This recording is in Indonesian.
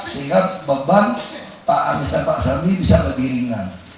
sehingga beban pak anies dan pak sandi bisa lebih ringan